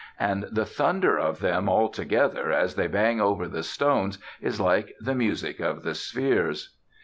And the thunder of them altogether as they bang over the stones is like the music of the spheres.